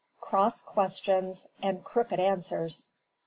CROSS QUESTIONS AND CROOKED ANSWERS.